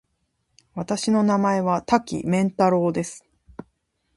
私の名前は多岐麺太郎です。